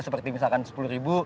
seperti misalkan sepuluh meter